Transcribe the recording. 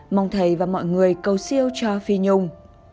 mong thầy và mọi người cầu siêu cho phi nhung